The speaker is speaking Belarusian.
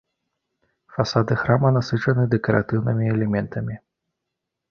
Фасады храма насычаны дэкаратыўнымі элементамі.